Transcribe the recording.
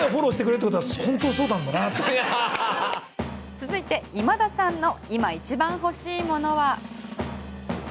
続いて、今田さんの今、一番欲しいものは。